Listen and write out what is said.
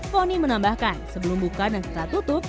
foni menambahkan sebelum buka dan setelah tutup